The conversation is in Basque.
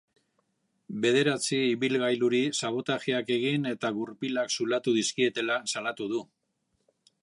Bederatzi ibilgailuri sabotajeak egin eta gurpilak zulatu dizkietela salatu du.